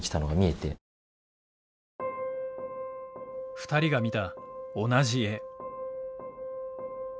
２人が見た「同じ絵」。